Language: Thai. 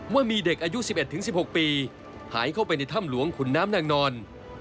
ว่ามีเด็กอายุ๑๑๑๖ปีหายเข้าไปในถ้ำหลวงขุนน้ำนางนอน